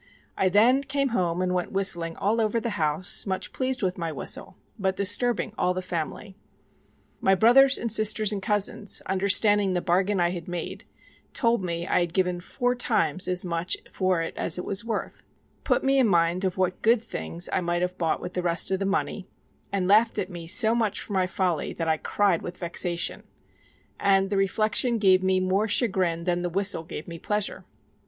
I then came home and went whistling all over the house, much pleased with my whistle, but disturbing all the family. My brothers, and sisters, and cousins, understanding the bargain I had made, told me I had given four times as much for it as it was worth; put me in mind of what good things I might have bought with the rest of the money; and laughed at me so much for my folly that I cried with vexation; and the reflection gave me more chagrin than the whistle gave me pleasure.